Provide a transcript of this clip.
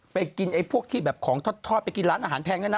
ไปกินไอ้พวกที่แบบของทอดไปกินร้านอาหารแพงด้วยนะ